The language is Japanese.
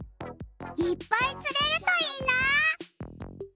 いっぱいつれるといいな！